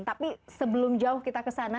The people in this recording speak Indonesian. tapi sebelum jauh kita ke sana